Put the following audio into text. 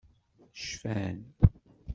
Cfan.